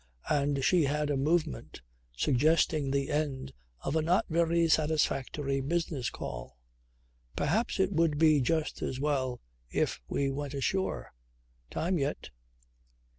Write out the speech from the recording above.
And she had a movement suggesting the end of a not very satisfactory business call. "Perhaps it would be just as well if we went ashore. Time yet."